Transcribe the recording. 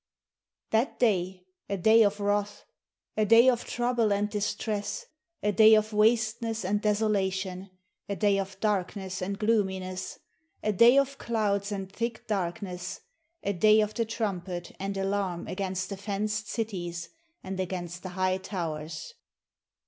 "That day, a day of wrath, a day of trouble and distress, a day of wasteness and desolation, a day of darkness and gloominess, a day of clouds and thick darkness, a day of the trumpet and alarm against the fenced cities, and against the high towers!"